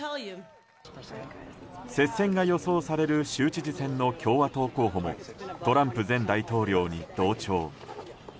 接戦が予想される州知事選の共和党候補もトランプ前大統領に同調。